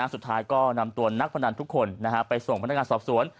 สุดท้ายก็นำตัวนักพนันทุกคนไปส่งพนักงานสอบสวน